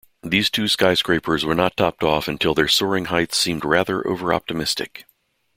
These two skyscrapers were not topped off until their soaring heights seemed rather overoptimistic.